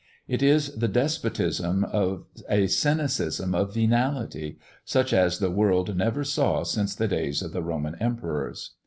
It is the despotism of a cynism of venality, such as the world never saw since the days of the Roman emperors.